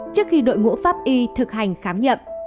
trước khi đội ngũ pháp y thực hành khám nghiệm